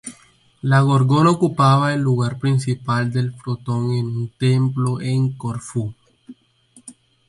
La gorgona ocupaba el lugar principal del frontón de un templo en Corfú.